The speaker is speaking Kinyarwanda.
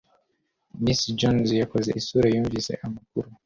Miss Jones yakoze isura yumvise amakuru